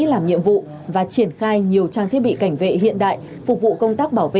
làm nhiệm vụ và triển khai nhiều trang thiết bị cảnh vệ hiện đại phục vụ công tác bảo vệ